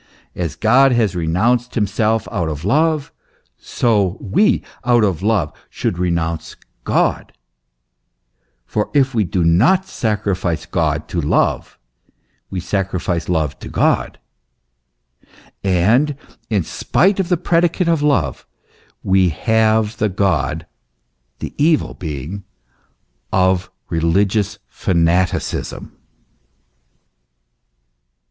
As God has renounced himself out of love, so we, out of love, should renounce God ; for if we do not sacrifice God to love, we sacrifice love to God, and, in spite of the pre dicate of love, we have the God the evil being of religious fanaticism.